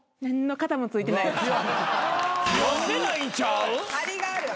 何の形もついてない。